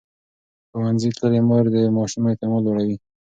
ښوونځې تللې مور د ماشوم اعتماد لوړوي.